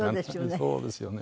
そうですよね。